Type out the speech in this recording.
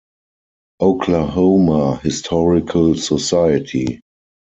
Oklahoma Historical Society.